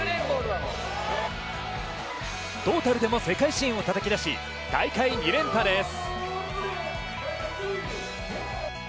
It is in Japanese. トータルでも世界新をたたき出し、大会２連覇です。